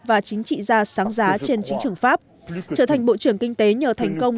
và chính trị gia sáng giá trên chính trường pháp trở thành bộ trưởng kinh tế nhờ thành công